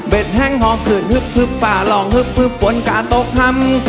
เป็นแห้งหอมขึ้นฮึบป่าลองฮึบบนการตกคำ